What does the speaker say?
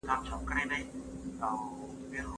په وروسته پاته هېوادونو کي د ټکنالوژۍ نشتوالی باید کم سي.